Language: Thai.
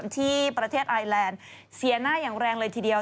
ที่ประเทศไอแลนด์เสียหน้าอย่างแรงเลยทีเดียว